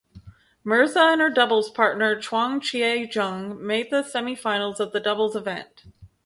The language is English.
Mirza and her doubles partner Chuang Chia-jung made the semifinals of the doubles event.